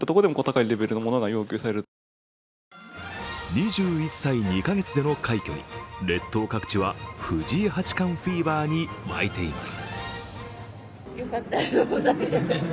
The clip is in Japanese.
２１歳２か月での快挙に列島各地は藤井八冠フィーバーに沸いています。